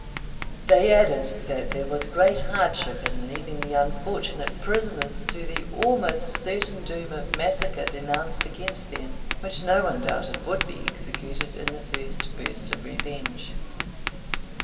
They added, that there was great hardship in leaving the unfortunate prisoners to the almost certain doom of massacre denounced against them, which no one doubted would be executed in the first burst of revenge.